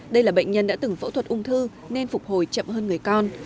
đây là bệnh nhân đã từng phẫu thuật ung thư nên phục hồi chậm hơn người con